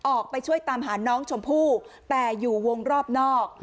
ออกไปช่วยตามหาน้องชมพู่แต่อยู่วงรอบนอก